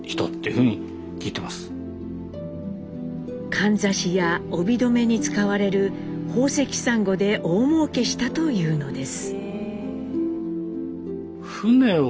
かんざしや帯留めに使われる宝石サンゴで大もうけしたというのです。